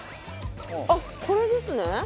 あっこれですね。